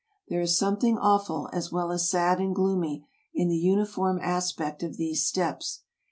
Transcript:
There is something awful, as well as sad and gloomy, in the uni form aspect of these steppes.